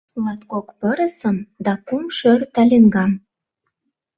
Латкок пырысым да кум шӧр талиҥгам.